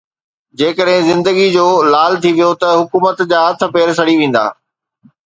جيڪڏهن زندگي جو لال ٿي ويو ته حڪومت جا هٿ پير سڙي ويندا.